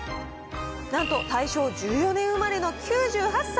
なんと大正１４年生まれの９８歳。